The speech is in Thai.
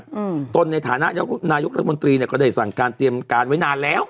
อืมตนในฐานะนายกรัฐมนตรีเนี้ยก็ได้สั่งการเตรียมการไว้นานแล้ว